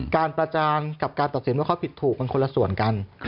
การประจานกับการตัดสินว่าเขาผิดถูกมันคนละส่วนกัน